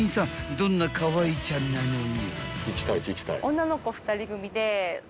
どんなかわいちゃんなのよ？］